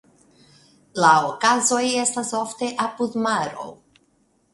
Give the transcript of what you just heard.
La okazoj estas ofte apud maro.